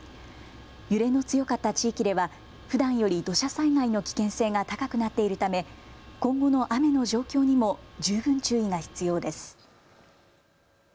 揺れの強かった地域ではふだんより土砂災害の危険性が高くなっているため今後の雨の状況にも十分注意が必要です。